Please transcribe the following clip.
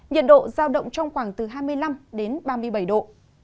nhiệt độ giao động trong khoảng từ hai mươi năm đến ba mươi bảy độ